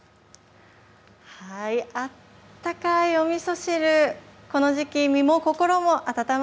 あったかいおみそ汁、この時期、ですね。